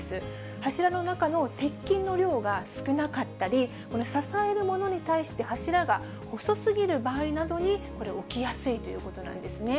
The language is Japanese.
柱の中の鉄筋の量が少なかったり、支えるものに対して柱が細すぎる場合などに起きやすいということなんですね。